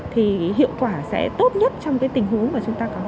thì hiệu quả sẽ tốt nhất trong cái tình huống mà chúng ta có